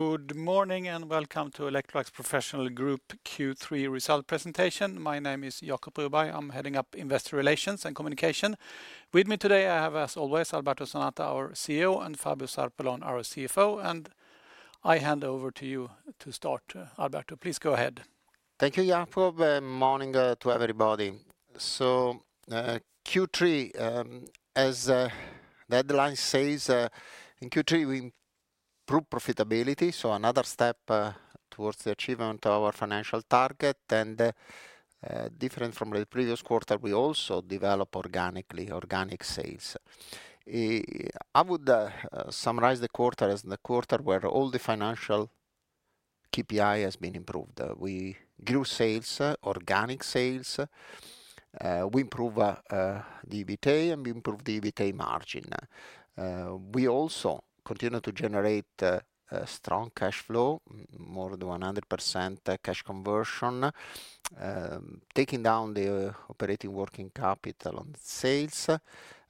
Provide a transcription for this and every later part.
Good morning, and welcome to Electrolux Professional Group Q3 Results Presentation. My name is Jacob Broberg. I'm heading up Investor Relations and Communications. With me today, I have, as always, Alberto Zanata, our CEO, and Fabio Zarpellon, our CFO, and I hand over to you to start, Alberto. Please go ahead. Thank you, Jacob, and good morning to everybody. So, Q3, as the headline says, in Q3, we improved profitability, so another step towards the achievement of our financial target, and different from the previous quarter, we also develop organically, organic sales. I would summarize the quarter as the quarter where all the financial KPI has been improved. We grew sales, organic sales, we improved the EBITDA, and we improved the EBITDA margin. We also continued to generate a strong cash flow, more than 100% cash conversion, taking down the operating working capital on sales,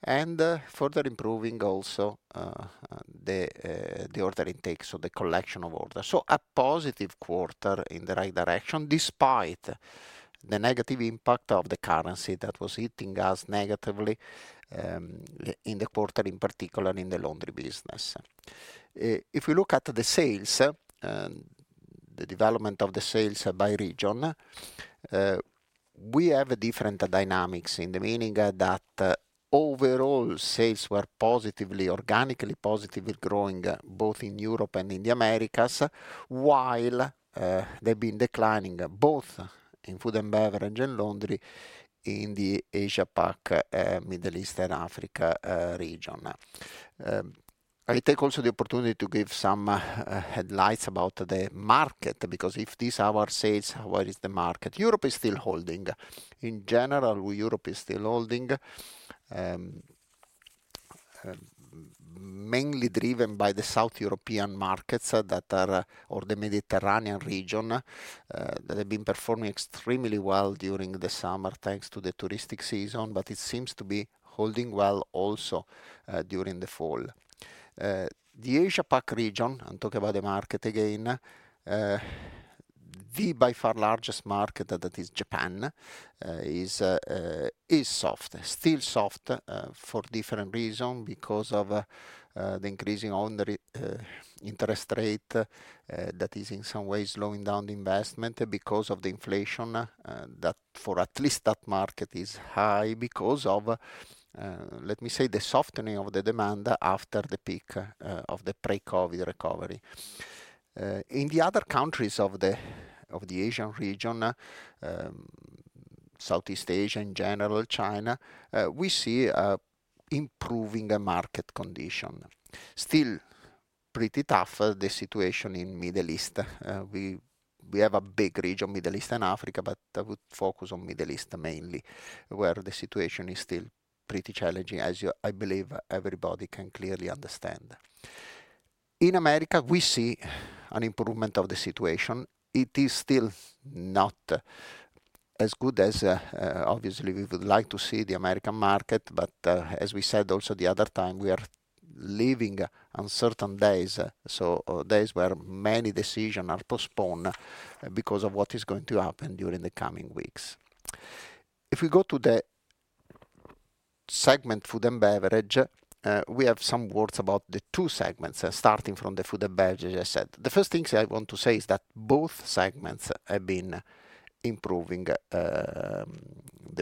and further improving also the order intake, so the collection of orders. So a positive quarter in the right direction, despite the negative impact of the currency that was hitting us negatively, in the quarter, in particular in the laundry business. If we look at the sales, the development of the sales by region, we have a different dynamics, in the meaning that overall sales were positively, organically, positively growing, both in Europe and in the Americas, while they've been declining both in food and beverage and laundry in the Asia Pacific, Middle East and Africa region. I take also the opportunity to give some highlights about the market, because with this our sales, where is the market? Europe is still holding. In general, Europe is still holding, mainly driven by the South European markets, that are, or the Mediterranean region, that have been performing extremely well during the summer, thanks to the touristic season, but it seems to be holding well also during the fall. The Asia Pac region, I'm talking about the market again, the by far largest market, that is Japan, is soft, still soft, for different reason, because of the increasing on the interest rate, that is in some ways slowing down the investment because of the inflation, that for at least that market is high because of, let me say, the softening of the demand after the peak of the pre-COVID recovery. In the other countries of the Asian region, Southeast Asia, in general, China, we see a improving market condition. Still pretty tough, the situation in Middle East. We have a big region, Middle East and Africa, but I would focus on Middle East mainly, where the situation is still pretty challenging, as you, I believe everybody can clearly understand. In America, we see an improvement of the situation. It is still not as good as, obviously, we would like to see the American market, but, as we said, also the other time, we are living uncertain days, so days where many decision are postponed because of what is going to happen during the coming weeks. If we go to the segment food and beverage, we have some words about the two segments, starting from the food and beverage, as I said. The first things I want to say is that both segments have been improving, the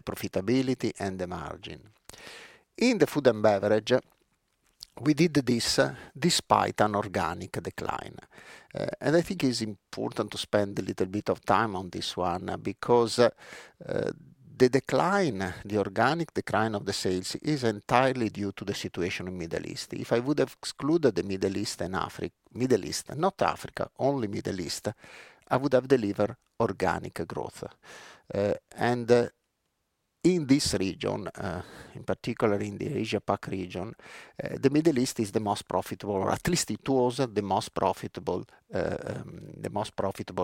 profitability and the margin. In the food and beverage, we did this despite an organic decline, and I think it's important to spend a little bit of time on this one, because, the decline, the organic decline of the sales is entirely due to the situation in Middle East. If I would have excluded the Middle East and Africa, Middle East, not Africa, only Middle East, I would have delivered organic growth. In this region, in particular in the Asia-Pacific region, the Middle East is the most profitable, or at least it was the most profitable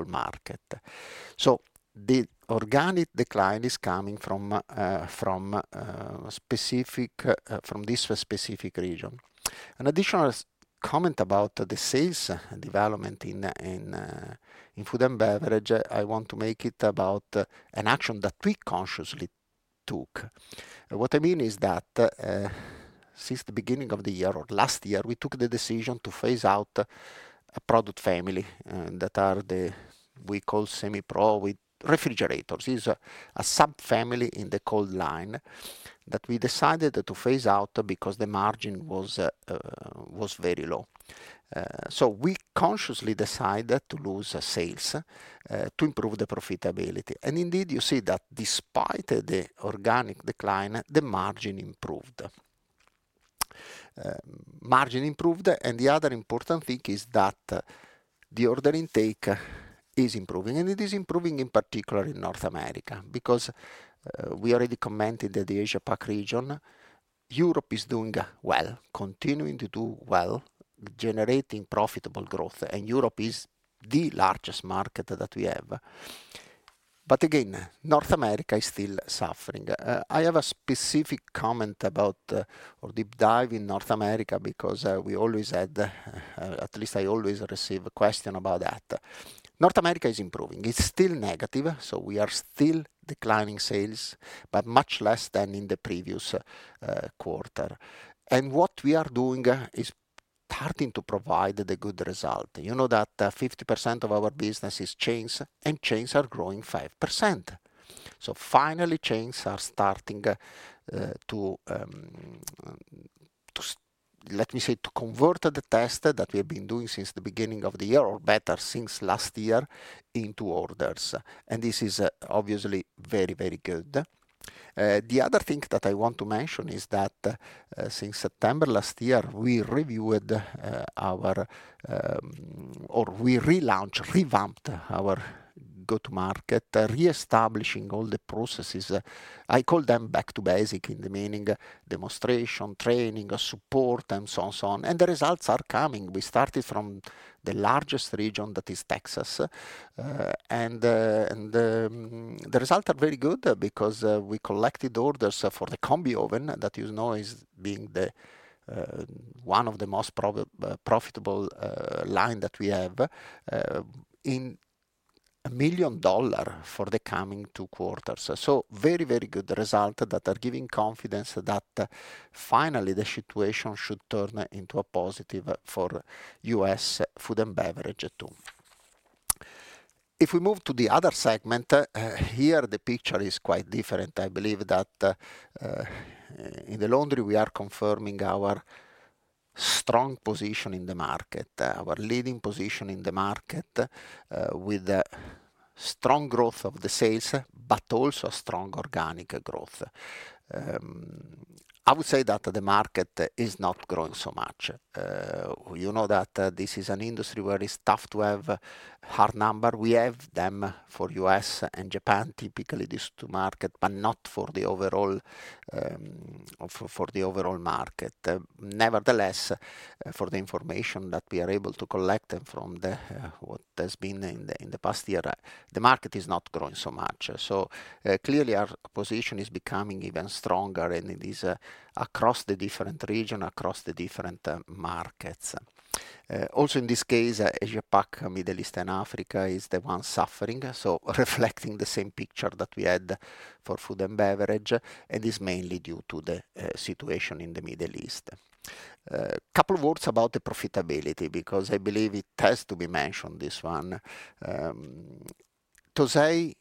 market. So the organic decline is coming from this specific region. An additional comment about the sales development in food and beverage I want to make is about an action that we consciously took. What I mean is that since the beginning of the year or last year, we took the decision to phase out a product family that we call Semi-Pro with refrigerators. It's a subfamily in the cold line that we decided to phase out because the margin was very low. So we consciously decided to lose sales to improve the profitability. Indeed, you see that despite the organic decline, the margin improved, and the other important thing is that the order intake is improving, in particular, in North America. Because we already commented that the Asia Pac region, Europe is doing well, continuing to do well, generating profitable growth, and Europe is the largest market that we have. Again, North America is still suffering. I have a specific comment about a deep dive in North America, because we always had at least I always receive a question about that. North America is improving. It's still negative, so we are still declining sales, but much less than in the previous quarter. What we are doing is starting to provide the good result. You know that 50% of our business is chains, and chains are growing 5%. So finally, chains are starting to let me say to convert the test that we've been doing since the beginning of the year, or better, since last year, into orders. And this is obviously very, very good. The other thing that I want to mention is that since September last year, we reviewed our or we relaunched, revamped our go-to-market, reestablishing all the processes. I call them back to basic, in the meaning, demonstration, training, support, and so on, and so on. And the results are coming. We started from the largest region, that is Texas. The results are very good because we collected orders for the combi oven, that you know is being the one of the most profitable line that we have, in $1 million for the coming two quarters. So very, very good result that are giving confidence that finally, the situation should turn into a positive for U.S. food and beverage, too. If we move to the other segment, here, the picture is quite different. I believe that in the laundry, we are confirming our strong position in the market, our leading position in the market, with a strong growth of the sales, but also a strong organic growth. I would say that the market is not growing so much. You know that this is an industry where it's tough to have a hard number. We have them for U.S. and Japan, typically these two market, but not for the overall, of, for the overall market. Nevertheless, for the information that we are able to collect from the, what has been in the past year, the market is not growing so much. Clearly, our position is becoming even stronger, and it is across the different region, across the different markets. Also in this case, Asia-Pacific, Middle East and Africa, is the one suffering, so reflecting the same picture that we had for food and beverage, and is mainly due to the situation in the Middle East. Couple of words about the profitability, because I believe it has to be mentioned, this one. Tosei Corporation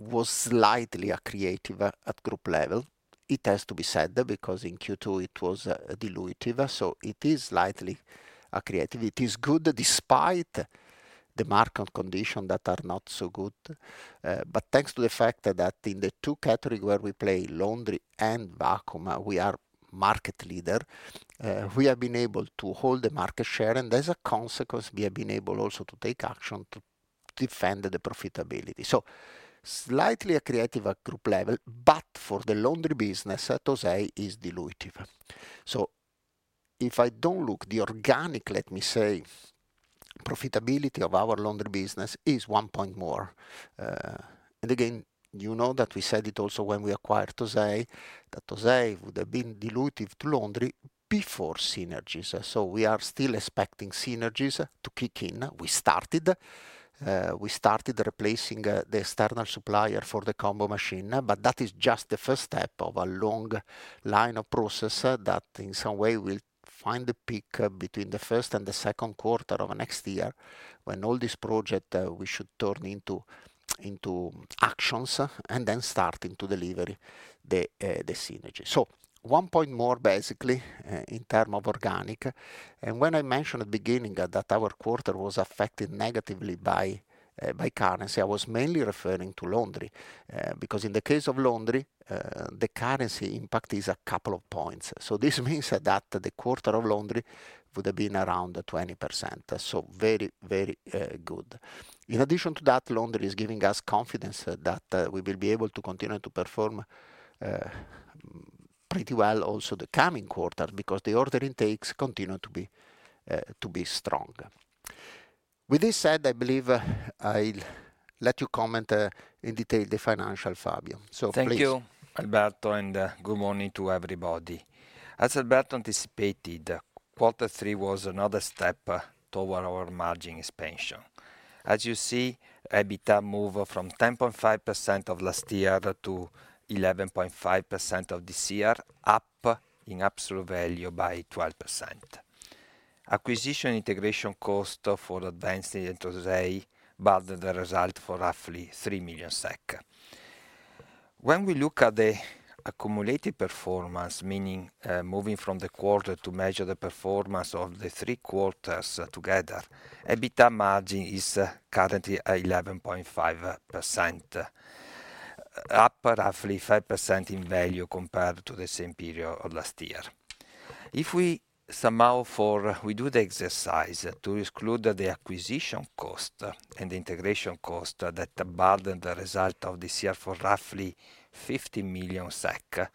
was slightly accretive at group level. It has to be said, because in Q2 it was dilutive, so it is slightly accretive. It is good, despite the market condition that are not so good, but thanks to the effect that in the two category where we play, laundry and vacuum, we are market leader. We have been able to hold the market share, and as a consequence, we have been able also to take action to defend the profitability. So slightly accretive at group level, but for the laundry business, Tosei is dilutive. So if I don't look, the organic, let me say, profitability of our laundry business is one point more. And again, you know that we said it also when we acquired Tosei, that Tosei would have been dilutive to laundry before synergies. So we are still expecting synergies to kick in. We started replacing the external supplier for the combo machine, but that is just the first step of a long line of process that in some way will find the peak between the first and the second quarter of next year, when all this project we should turn into actions, and then starting to deliver the synergies. So one point more, basically, in term of organic, and when I mentioned at the beginning that our quarter was affected negatively by currency, I was mainly referring to laundry, because in the case of laundry the currency impact is a couple of points. So this means that the quarter of laundry would have been around 20%, so very, very good. In addition to that, laundry is giving us confidence that we will be able to continue to perform pretty well also the coming quarter, because the order intakes continue to be strong. With this said, I believe I'll let you comment in detail the financials, Fabio. So please. Thank you, Alberto, and good morning to everybody. As Alberto anticipated, quarter three was another step toward our margin expansion. As you see, EBITDA move from 10.5% of last year to 11.5% of this year, up in absolute value by 12%. Acquisition integration cost for Adventys and Tosei, burden the result for roughly 3 million SEK. When we look at the accumulated performance, meaning, moving from the quarter to measure the performance of the three quarters together, EBITDA margin is currently at 11.5%, up roughly 5% in value compared to the same period of last year. If we do the exercise to exclude the acquisition cost and the integration cost that burden the result of this year for roughly 50 million SEK,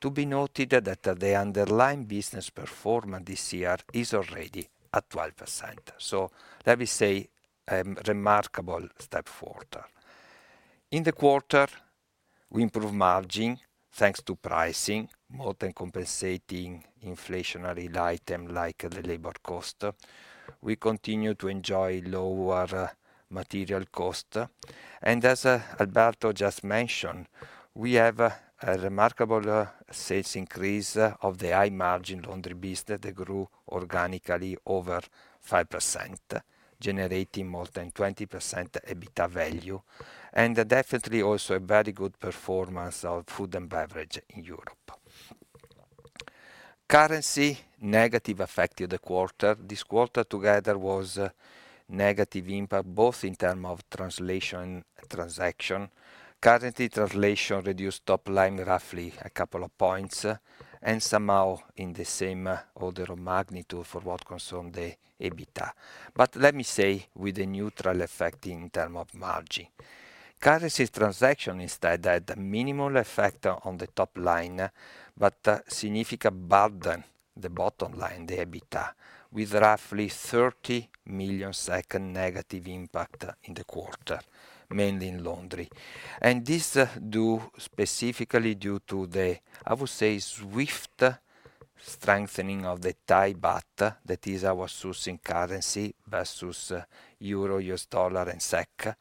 to be noted that the underlying business performance this year is already at 12%. Let me say, a remarkable step forward. In the quarter, we improved margin, thanks to pricing, more than compensating inflationary item like the labor cost. We continue to enjoy lower material cost. And as Alberto just mentioned, we have a remarkable sales increase of the high margin laundry business that grew organically over 5%, generating more than 20% EBITDA value, and definitely also a very good performance of food and beverage in Europe. Currency negatively affected the quarter. This quarter together was a negative impact, both in terms of translation, transaction. Currently, translation reduced top line roughly a couple of points, and somehow in the same order of magnitude for what concerns the EBITDA. But let me say, with a neutral effect in terms of margin. Currency transaction instead had a minimal effect on the top line, but a significant burden to the bottom line, the EBITDA, with roughly 30 million negative impact in the quarter, mainly in laundry. And this due specifically due to the, I would say, swift strengthening of the Thai baht, that is our sourcing currency, versus euro, U.S. dollar, and SEK,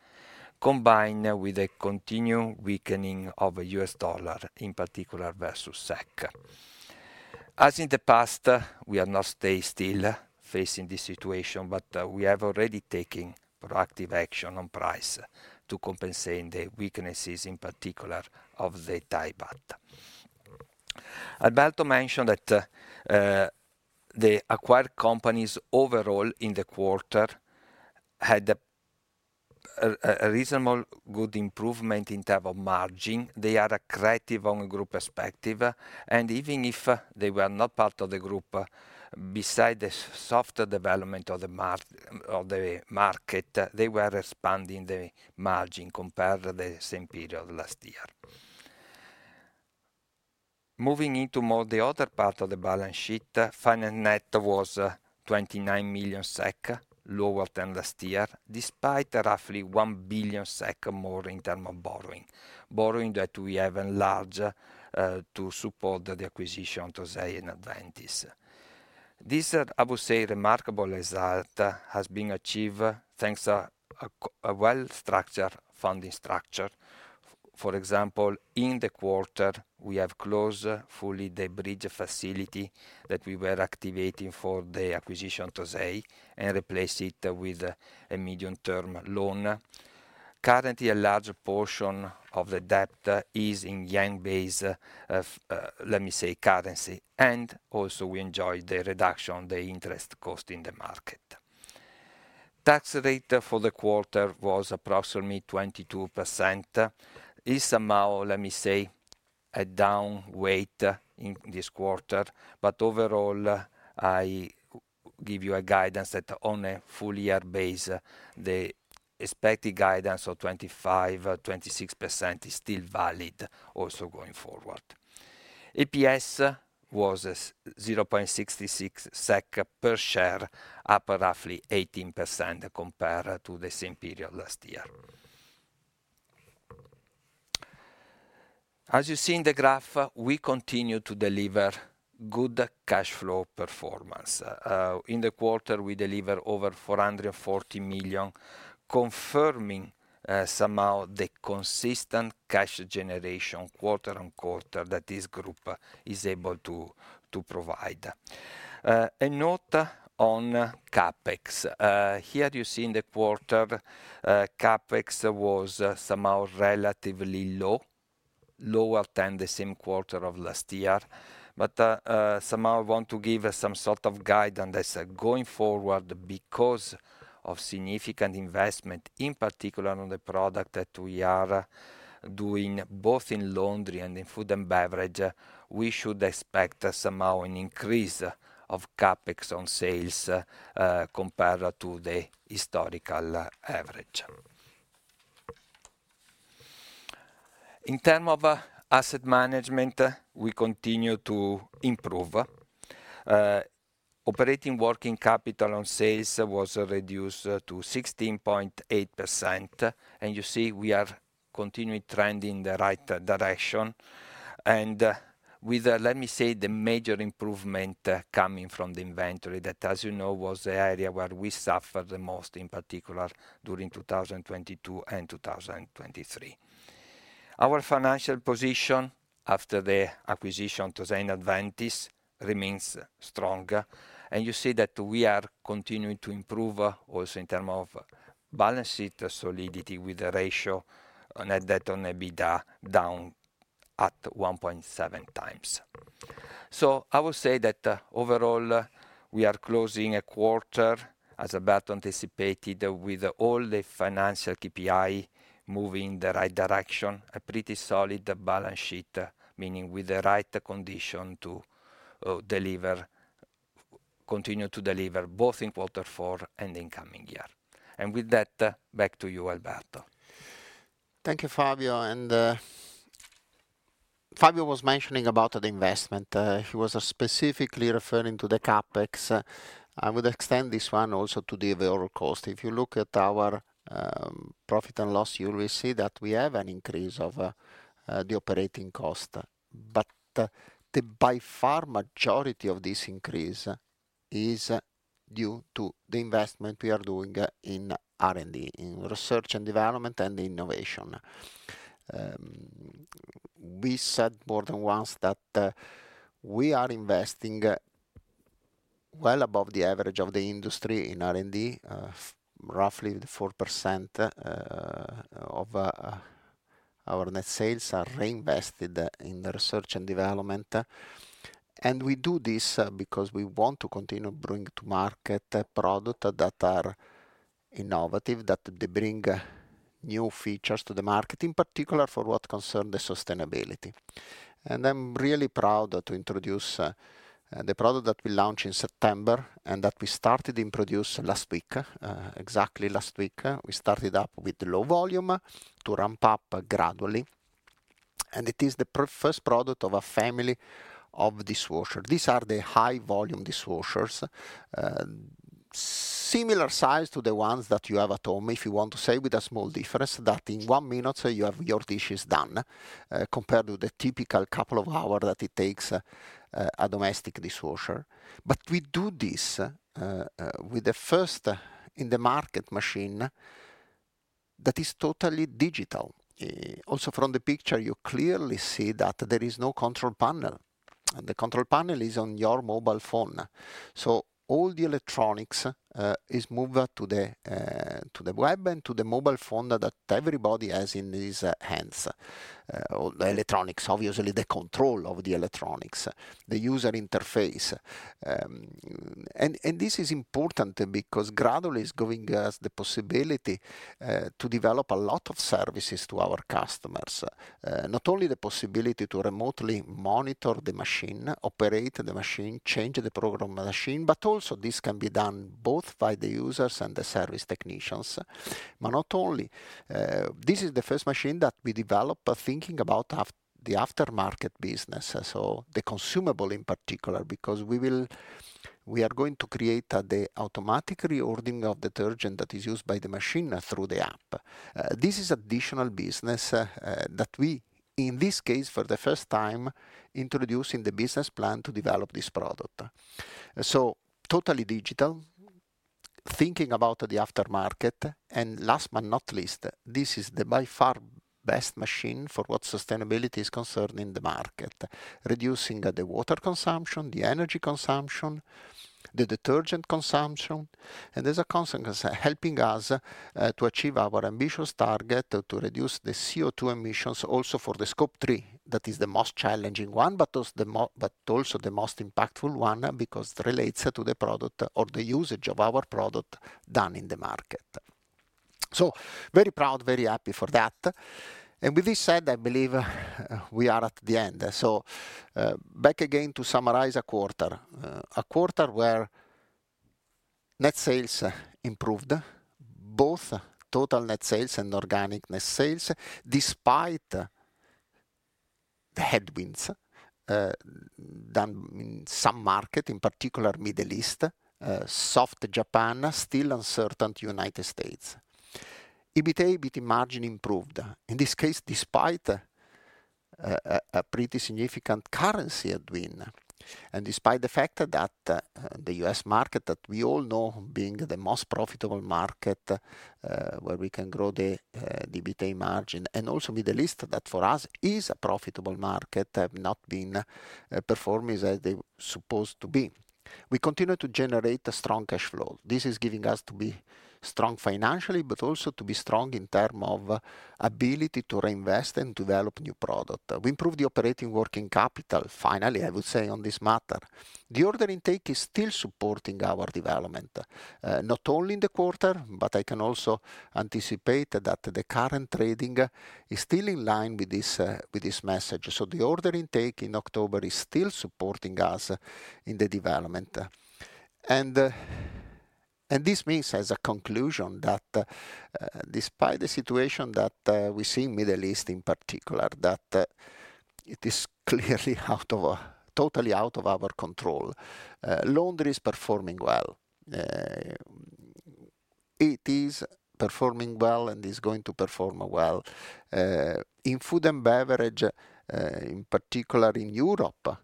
combined with a continued weakening of the U.S. dollar, in particular versus SEK. As in the past, we are not staying still facing this situation, but we have already taken proactive action on price to compensate the weaknesses, in particular, of the Thai baht. Alberto mentioned that the acquired companies overall in the quarter had a reasonable good improvement in term of margin. They are accretive on a group perspective, and even if they were not part of the group, besides the softer development of the market, they were expanding the margin compared to the same period last year. Moving into more the other part of the balance sheet, finance net was 29 million SEK, lower than last year, despite roughly 1 billion SEK more in term of borrowing. Borrowing that we have enlarged to support the acquisition of Tosei and Adventys. This, I would say, remarkable result has been achieved, thanks to a well-structured funding structure. For example, in the quarter, we have closed fully the bridge facility that we were activating for the acquisition of Tosei, and replace it with a medium-term loan. Currently, a large portion of the debt is in yen-based, let me say, currency, and also we enjoy the reduction, the interest cost in the market. Tax rate for the quarter was approximately 22%. It's somehow, let me say, a down weight in this quarter, but overall, I give you a guidance that on a full year basis, the expected guidance of 25%-26% is still valid, also going forward. EPS was 0.66 SEK per share, up roughly 18% compared to the same period last year. As you see in the graph, we continue to deliver good cash flow performance. In the quarter, we deliver over 440 million, confirming somehow the consistent cash generation quarter on quarter that this group is able to provide. A note on CapEx. Here you see in the quarter, CapEx was somehow relatively low, lower than the same quarter of last year, but somehow I want to give some sort of guidance as going forward, because of significant investment, in particular, on the product that we are doing, both in laundry and in food and beverage, we should expect somehow an increase of CapEx on sales, compared to the historical average. In terms of asset management, we continue to improve. Operating working capital on sales was reduced to 16.8%, and you see, we are continuing trending in the right direction. With, let me say, the major improvement coming from the inventory, that, as you know, was the area where we suffered the most, in particular, during 2022 and 2023. Our financial position after the acquisition of Adventys remains strong, and you see that we are continuing to improve also in terms of balance sheet solidity with the ratio net debt on EBITDA down at 1.7x. So I would say that, overall, we are closing a quarter, as Alberto anticipated, with all the financial KPI moving in the right direction, a pretty solid balance sheet, meaning with the right condition to continue to deliver both in quarter four and in coming year. And with that, back to you, Alberto. Thank you, Fabio, and Fabio was mentioning about the investment, he was specifically referring to the CapEx. I would extend this one also to the overall cost. If you look at our profit and loss, you will see that we have an increase of the operating cost. But the by far majority of this increase is due to the investment we are doing in R&D, in research and development, and innovation. We said more than once that we are investing well above the average of the industry in R&D. Roughly 4% of our net sales are reinvested in research and development. And we do this because we want to continue bringing to market product that are innovative, that they bring new features to the market, in particular, for what concern the sustainability. I'm really proud to introduce the product that we launched in September and that we started in production last week, exactly last week. We started up with low volume to ramp up gradually, and it is the first product of a family of dishwasher. These are the high-volume dishwashers, similar size to the ones that you have at home, if you want to say, with a small difference, that in one minute, you have your dishes done, compared to the typical couple of hours that it takes, a domestic dishwasher. We do this with the first in the market machine that is totally digital. Also from the picture, you clearly see that there is no control panel, and the control panel is on your mobile phone. So all the electronics is moved to the web and to the mobile phone that everybody has in his hands. All the electronics, obviously, the control of the electronics, the user interface. And this is important because gradually is giving us the possibility to develop a lot of services to our customers. Not only the possibility to remotely monitor the machine, operate the machine, change the program machine, but also this can be done both by the users and the service technicians. But not only, this is the first machine that we develop, thinking about the aftermarket business, so the consumable in particular, because we are going to create the automatic reordering of detergent that is used by the machine through the app. This is additional business that we, in this case, for the first time, introducing the business plan to develop this product, so totally digital, thinking about the aftermarket, and last but not least, this is the by far best machine for what sustainability is concerned in the market: reducing the water consumption, the energy consumption, the detergent consumption, and as a consequence, helping us to achieve our ambitious target to reduce the CO₂ emissions also for the Scope 3. That is the most challenging one, but also the most impactful one, because it relates to the product or the usage of our product done in the market. So I'm very proud, very happy for that. And with this said, I believe we are at the end, so back again to summarize a quarter. A quarter where net sales improved, both total net sales and organic net sales, despite the headwinds in some markets, in particular Middle East, soft Japan, still uncertain in the United States. EBITA, EBIT margin improved, in this case, despite a pretty significant currency headwind, and despite the fact that the U.S. market that we all know being the most profitable market, where we can grow the EBITA margin, and also Middle East, that for us is a profitable market, have not been performing as they supposed to be. We continue to generate a strong cash flow. This is giving us to be strong financially, but also to be strong in terms of ability to reinvest and develop new product. We improved the operating working capital, finally. I would say on this matter. The order intake is still supporting our development, not only in the quarter, but I can also anticipate that the current trading is still in line with this message. So the order intake in October is still supporting us in the development. And this means, as a conclusion, that despite the situation that we see in Middle East in particular, that it is clearly out of our control, totally out of our control, laundry is performing well. It is performing well and is going to perform well. In food and beverage, in particular in Europe,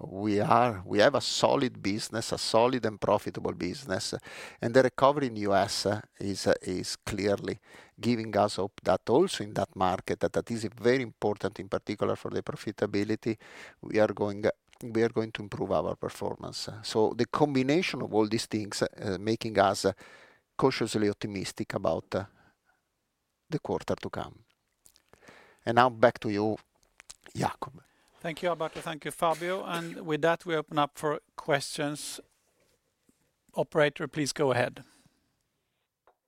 we have a solid business, a solid and profitable business, and the recovery in the U.S. is clearly giving us hope that also in that market, that is very important, in particular for the profitability, we are going to improve our performance. The combination of all these things making us cautiously optimistic about the quarter to come, and now back to you, Jacob. Thank you, Alberto. Thank you, Fabio. And with that, we open up for questions. Operator, please go ahead.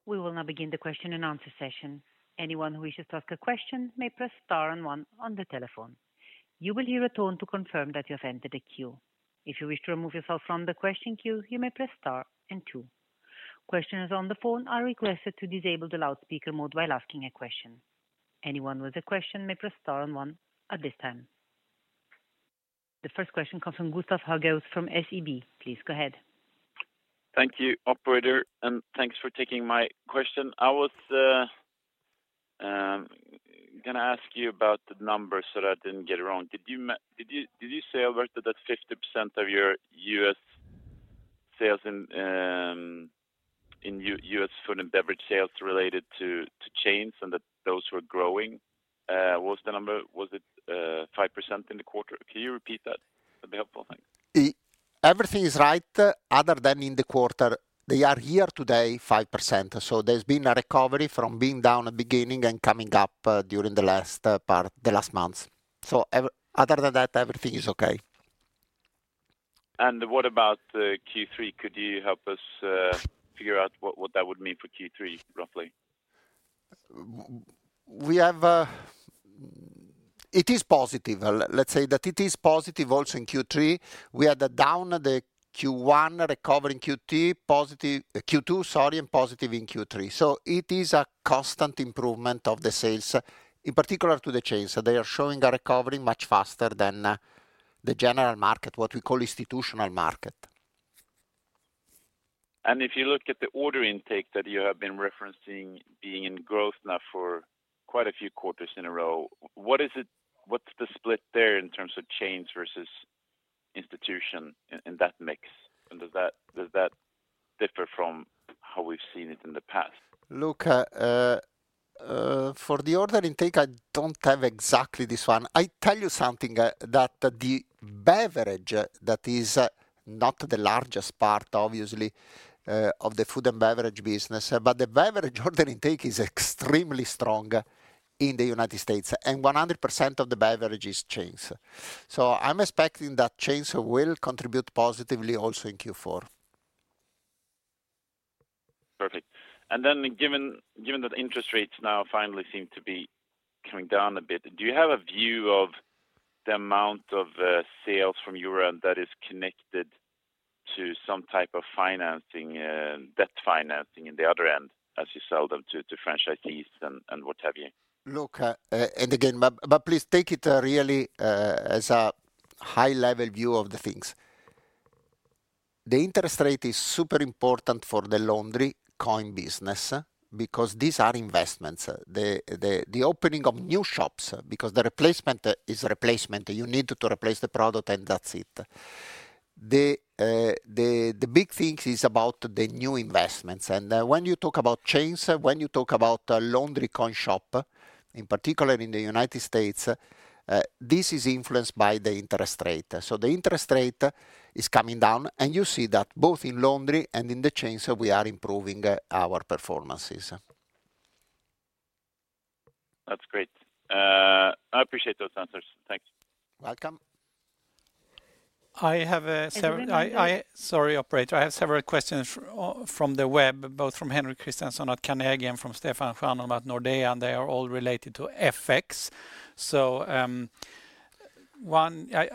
We will now begin the question-and-answer session. Anyone who wishes to ask a question may press star and one on the telephone. You will hear a tone to confirm that you have entered a queue. If you wish to remove yourself from the question queue, you may press star and two. Questions on the phone are requested to disable the loudspeaker mode while asking a question. Anyone with a question may press star on one at this time. The first question comes from Gustav Hagéus from SEB. Please go ahead. Thank you, operator, and thanks for taking my question. I was gonna ask you about the numbers, so that I didn't get it wrong. Did you say, Alberto, that 50% of your US sales in US food and beverage sales related to chains, and that those were growing? What was the number? Was it 5% in the quarter? Can you repeat that? That'd be helpful. Thanks. Everything is right, other than in the quarter. They are here today, 5%, so there's been a recovery from being down at beginning and coming up during the last part, the last months. So other than that, everything is okay. What about Q3? Could you help us figure out what that would mean for Q3, roughly? It is positive. Let's say that it is positive also in Q3. We were down in Q1, recovery in Q2, positive in Q3. So it is a constant improvement of the sales, in particular to the chains. So they are showing a recovery much faster than the general market, what we call institutional market. If you look at the order intake that you have been referencing, being in growth now for quite a few quarters in a row, what is it, what's the split there in terms of chains versus institutions in that mix? Does that differ from how we've seen it in the past? Look, for the order intake, I don't have exactly this one. I tell you something, that the beverage is not the largest part, obviously, of the food and beverage business, but the beverage order intake is extremely strong in the United States, and 100% of the beverage is chains. So I'm expecting that chains will contribute positively also in Q4. Perfect. And then given that interest rates now finally seem to be coming down a bit, do you have a view of the amount of sales from Europe that is connected to some type of financing, debt financing in the other end, as you sell them to franchisees and what have you? Look, and again, but please take it really as a high-level view of the things. The interest rate is super important for the laundry coin business, because these are investments, the opening of new shops, because the replacement is a replacement, you need to replace the product, and that's it. The big thing is about the new investments, and when you talk about chains, when you talk about a laundry coin shop, in particular in the United States, this is influenced by the interest rate. So the interest rate is coming down, and you see that both in laundry and in the chains, we are improving our performances. That's great. I appreciate those answers. Thank you. Welcome. I have. As a reminder- Sorry, operator. I have several questions from the web, both from Henrik Christensen at Carnegie and from Stefan from, at Nordea, and they are all related to FX. So,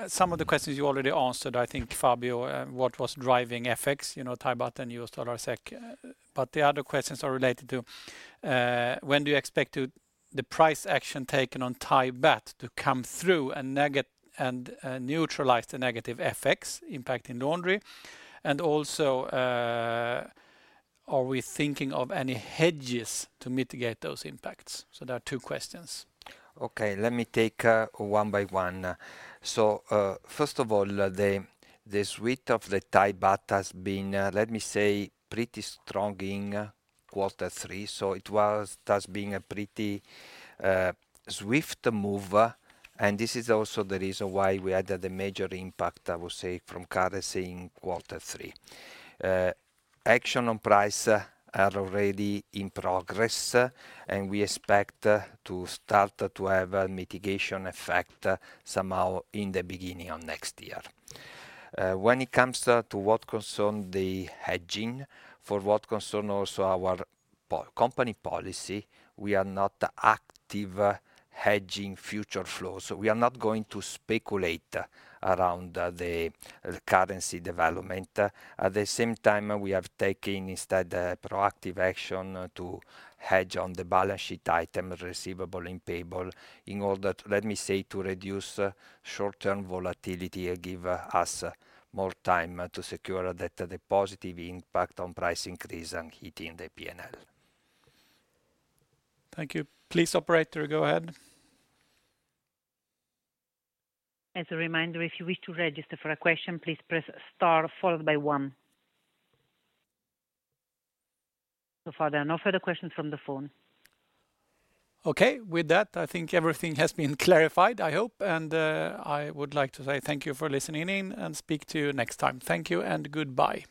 some of the questions you already answered, I think, Fabio, what was driving FX, you know, Thai baht and US dollar, SEK. But the other questions are related to when do you expect the price action taken on Thai baht to come through and negate and neutralize the negative FX impact in laundry? And also, are we thinking of any hedges to mitigate those impacts? So there are two questions. Okay, let me take one by one. So first of all, the swing of the Thai baht has been, let me say, pretty strong in quarter three, so it has been a pretty swift move, and this is also the reason why we had the major impact, I would say, from currency in quarter three. Action on price are already in progress, and we expect to start to have a mitigation effect somehow in the beginning of next year. When it comes to what concern the hedging, for what concern also our company policy, we are not active hedging future flows. So we are not going to speculate around the currency development. At the same time, we have taken, instead, a proactive action to hedge on the balance sheet item, receivable and payable, in order to, let me say, to reduce short-term volatility and give us more time to secure that the positive impact on price increase and hitting the P&L. Thank you. Please, operator, go ahead. As a reminder, if you wish to register for a question, please press star followed by one. So far, there are no further questions from the phone. Okay. With that, I think everything has been clarified, I hope, and I would like to say thank you for listening in, and speak to you next time. Thank you and goodbye.